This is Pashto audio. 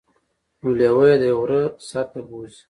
نو لیوه يې د یوه غره سر ته بوځي.